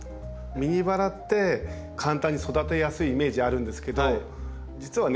ミニバラって簡単に育てやすいイメージあるんですけど実はね